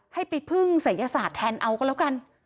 ให้ไปพึ่งศัยศาสตร์แทนเอาก็แล้วกัน